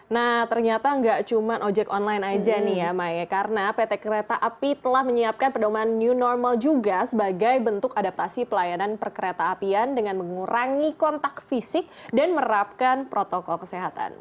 nah ternyata nggak cuma ojek online aja nih ya maya karena pt kereta api telah menyiapkan pedoman new normal juga sebagai bentuk adaptasi pelayanan perkereta apian dengan mengurangi kontak fisik dan merapkan protokol kesehatan